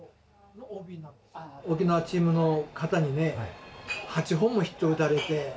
沖縄チームの方にね８本もヒットを打たれて。